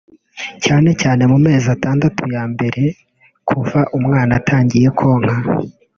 cyane cyane mu mezi atandatu ya mbere kuva umwana atangiye konka